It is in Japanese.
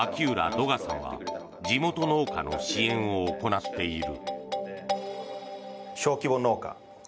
土雅さんは地元農家の支援を行っている。